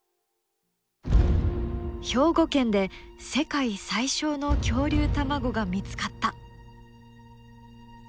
兵庫県で世界最小の恐竜卵が見つかった！